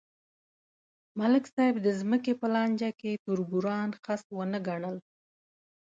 ملک صاحب د ځمکې په لانجه کې تربوران خس ونه ګڼل.